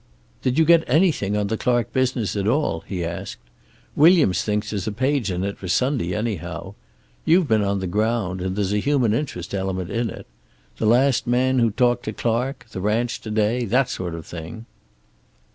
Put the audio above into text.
"Did you get anything on the Clark business at all?" he asked. "Williams thinks there's a page in it for Sunday, anyhow. You've been on the ground, and there's a human interest element in it. The last man who talked to Clark; the ranch to day. That sort of thing."